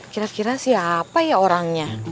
kira kira siapa ya orangnya